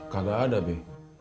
kagak ada be